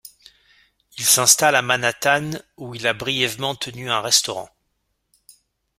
Il s'installe à Manhattan où il a brièvement tenu un restaurant.